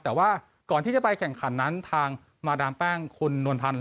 แต่ว่าก่อนที่จะไปแข่งขันนั้นทางมาดามแป้งคุณนวลพันธ์